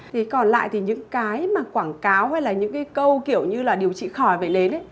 thì còn lại thì những cái mà quảng cáo hay là những cái câu kiểu như là điều trị khỏi vẩy nến ấy